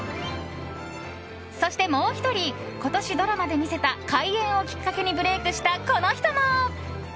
そして、もう１人今年ドラマで見せた怪演をきっかけにブレークしたこの人も。